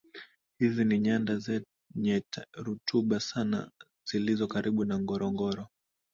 Hizi ni nyanda zenye rutuba sana zilizo karibu na Ngorongoro